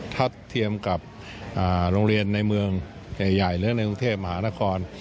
ถ้าเทียมกับโรงเรียนในเมืองใหญ่หรือในกรุงเทพมหานคร